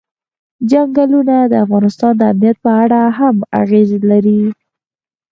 چنګلونه د افغانستان د امنیت په اړه هم اغېز لري.